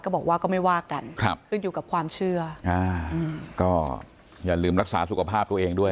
บอกว่าก็ไม่ว่ากันครับขึ้นอยู่กับความเชื่ออ่าก็อย่าลืมรักษาสุขภาพตัวเองด้วย